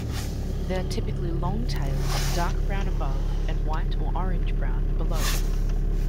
They are typically long-tailed, dark brown above, and white or orange-brown below.